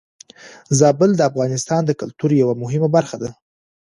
زابل د افغانستان د کلتور يوه مهمه برخه ده.